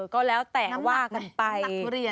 ก็แล้วแต่ว่ากันไป